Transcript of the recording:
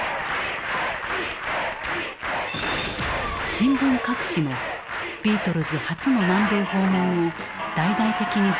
新聞各紙もビートルズ初の南米訪問を大々的に報じていた。